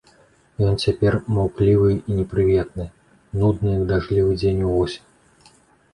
Ён цяпер маўклівы і непрыветны, нудны, як дажджлівы дзень увосень.